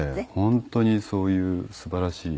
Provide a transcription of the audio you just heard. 本当にそういう素晴らしい。